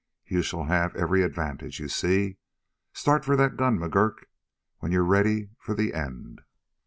You shall have every advantage, you see? Start for that gun, McGurk, when you're ready for the end."